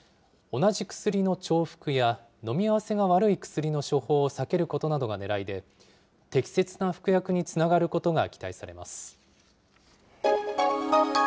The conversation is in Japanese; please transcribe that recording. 同じ薬の重複や、飲み合わせが悪い薬の処方を避けることなどがねらいで、適切な服薬につながることが期待されます。